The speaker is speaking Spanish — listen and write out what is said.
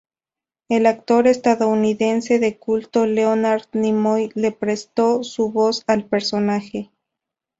El actor estadounidense de culto Leonard Nimoy le presto su voz al personaje.